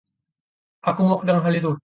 Aku muak dengan hal itu!